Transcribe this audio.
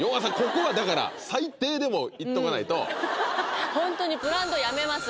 ここはだから最低でもいっとかないとホントにブランドやめます